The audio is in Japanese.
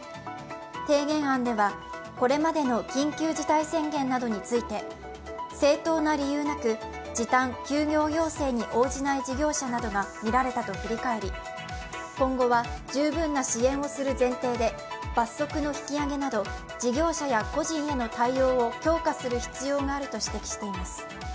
提言案では、これまでの緊急事態宣言などについて正当な理由なく時短・休業要請に応じない事業者などがみられたと振り返り今後は十分な支援をする前提で罰則の引き上げなど事業者や個人への対応を強化する必要があると指摘しています。